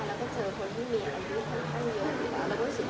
แล้วก็เจอคนที่มีอายุข้างอายุขนาดเยอะอยู่แล้ว